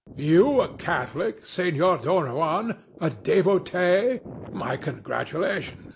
you a Catholic, Senor Don Juan! A devotee! My congratulations.